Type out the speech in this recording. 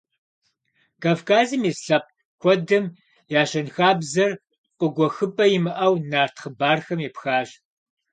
Кавказым ис лъэпкъ куэдым я щэнхабзэр къыгуэхыпӀэ имыӀэу нарт хъыбархэм епхащ.